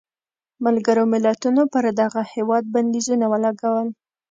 ملګرو ملتونو پر دغه هېواد بندیزونه ولګول.